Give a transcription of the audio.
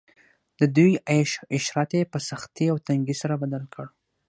د دوی عيش عشرت ئي په سختۍ او تنګۍ سره بدل کړ